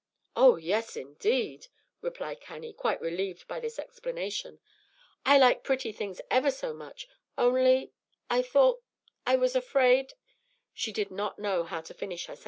"Oh, yes, indeed," replied Cannie, quite relieved by this explanation. "I like pretty things ever so much only I thought I was afraid " She did not know how to finish her sentence.